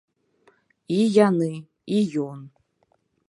І яны, і ён.